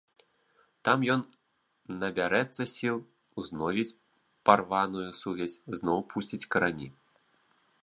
Там ён набярэцца сіл, узновіць парваную сувязь, зноў пусціць карані.